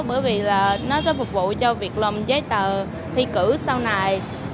bởi vì là nó sẽ phục vụ cho việc làm giấy tờ thi cử sau này